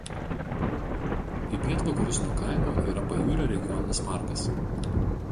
Į pietvakarius nuo kaimo yra Pajūrio regioninis parkas.